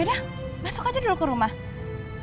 udah masuk aja dulu ke rumah